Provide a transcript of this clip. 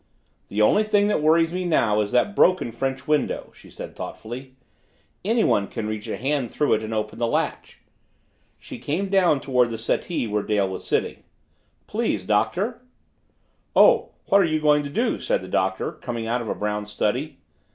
"The only thing that worries me now is that broken French window," she said thoughtfully. "Anyone can reach a hand through it and open the latch." She came down toward the settee where Dale was sitting. "Please, Doctor!" "Oh what are you going to do?" said the Doctor, coming out of a brown study.